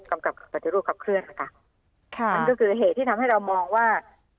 กำกับปฏิรูปขับเคลื่อนนะคะค่ะมันก็คือเหตุที่ทำให้เรามองว่า